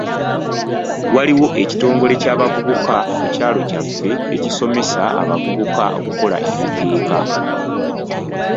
Waliwo ekitongole ky'abavubuka ku kyalo kyaffe ekisomesa abavubuka okukola emikeeka .